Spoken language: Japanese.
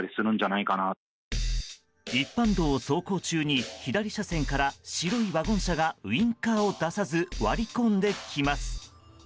一般道を走行中に左車線から白いワゴン車がウィンカーを出さず割り込んできます。